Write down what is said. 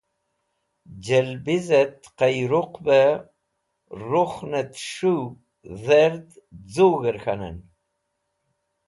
Jẽlbizẽt Qiyrũq bẽ rukhnẽt s̃hũw dherd z̃ug̃hẽr k̃hanẽn.